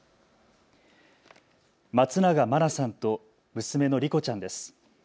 松永真菜さんと娘の莉子ちゃんです。